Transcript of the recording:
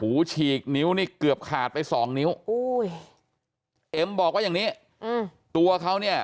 หูฉีกนิ้วเนี่ยเกือบขาดไป๒นิ้วเอ็มบอกว่าอย่างนี้ตัวเขา